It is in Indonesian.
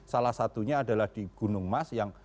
salah satunya adalah di gunung mas yang